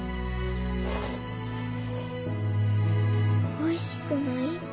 おいしくない？